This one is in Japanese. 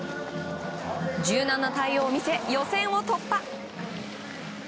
柔軟な対応を見せ予選を突破。